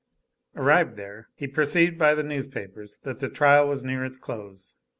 Arrived there, he perceived by the newspapers that the trial was near its close.